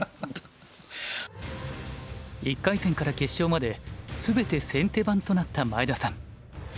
１回戦から決勝まで全て先手番となった前田さん。